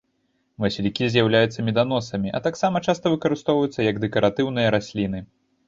Васількі з'яўляюцца меданосамі, а таксама часта выкарыстоўваюцца як дэкаратыўныя расліны.